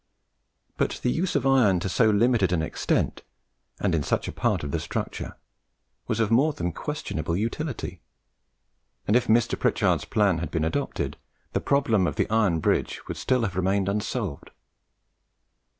But the use of iron to so limited an extent, and in such a part of the structure, was of more than questionable utility; and if Mr. Pritchard's plan had been adopted, the problem of the iron bridge would still have remained unsolved.